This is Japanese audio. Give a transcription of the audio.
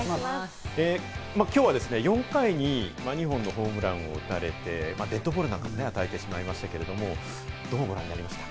今日は４回に２本のホームランを打たれて、デッドボールなんかも与えてしまいましたけど、どうご覧になりました？